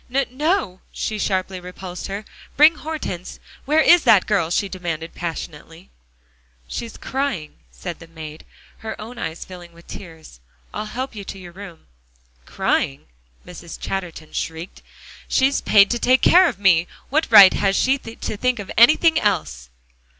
"No no," she sharply repulsed her. "Bring Hortense where is that girl?" she demanded passionately. "She's crying," said the maid, her own eyes filling with tears. "I'll help you to your room." "Crying?" Madame Chatterton shrieked. "She's paid to take care of me; what right has she to think of anything else?"